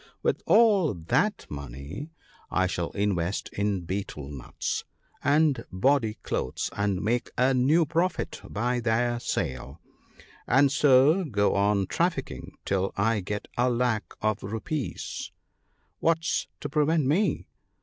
With all that money 126 THE BOOK OF GOOD COUNSELS. I shall invest in betel nuts and body cloths and make a new profit by their sale ; and so go on trafficking till I get a lakh of rupees — what's to prevent me